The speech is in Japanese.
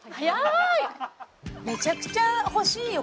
めちゃくちゃ欲しいよ